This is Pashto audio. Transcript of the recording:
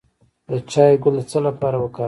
د چای ګل د څه لپاره وکاروم؟